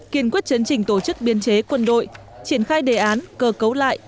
kiên quyết chấn trình tổ chức biên chế quân đội triển khai đề án cơ cấu lại